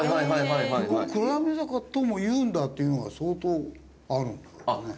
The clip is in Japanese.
ここ暗闇坂ともいうんだっていうのが相当あるんだけどね。